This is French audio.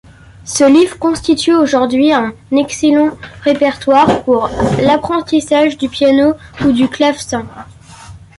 Ce livre constitue aujourd'hui un excellent répertoire pour l'apprentissage du piano ou du clavecin.